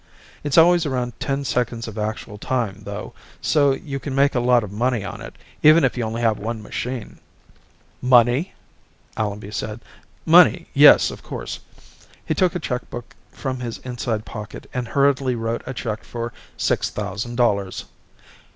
It's always around ten seconds of actual time, though, so you can make a lot of money on it, even if you only have one machine." "Money?" Allenby said. "Money, yes, of course." He took a checkbook from his inside pocket and hurriedly wrote a check for six thousand dollars.